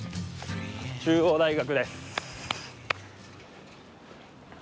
中央大学です。